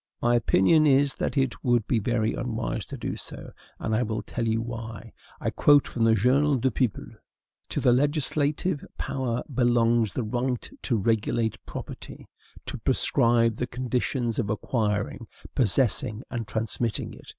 My opinion is that it would be very unwise to do so, and I will tell why. I quote from the "Journal du Peuple:" "To the legislative power belongs the right to regulate property, to prescribe the conditions of acquiring, possessing, and transmitting it...